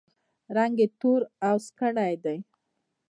رنګ یې تور او سکڼۍ دی.